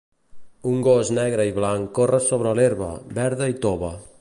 Un gos negre i blanc corre sobre l'herba, verda i tova